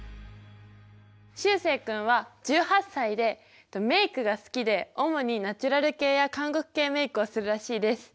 しゅうせい君は１８歳でメイクが好きで主にナチュラル系や韓国系メイクをするらしいです。